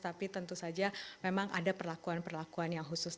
tapi tentu saja memang ada perlakuan perlakuan yang khusus